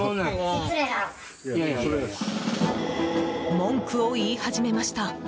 文句を言い始めました。